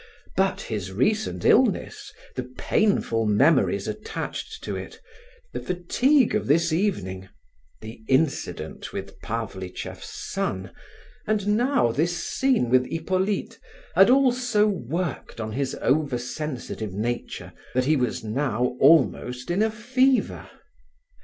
But his recent illness, the painful memories attached to it, the fatigue of this evening, the incident with "Pavlicheff's son," and now this scene with Hippolyte, had all so worked on his oversensitive nature that he was now almost in a fever.